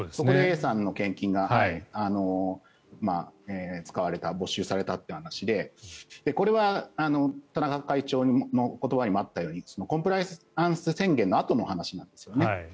Ａさんのお金が使われた没収されたという話でこれは田中会長の言葉にもあったようにコンプライアンス宣言のあとの話なんですよね。